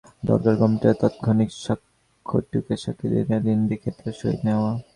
দরকার, কম্পিউটারে তাৎক্ষণিক সাক্ষ্য টুকে সাক্ষীকে দিনাদিন দেখিয়ে তাঁর সই নেওয়া।